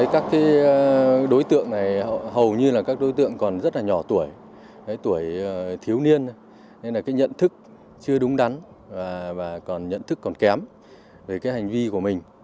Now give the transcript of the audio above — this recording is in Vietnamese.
các đối tượng này hầu như là các đối tượng còn rất là nhỏ tuổi tuổi thiếu niên nên là cái nhận thức chưa đúng đắn và nhận thức còn kém về cái hành vi của mình